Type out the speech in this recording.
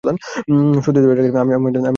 সত্যিটা তো এটাই, আমিও মাঝেমধ্যে ভুল করে ফেলি!